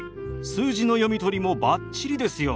数字の読み取りもバッチリですよ。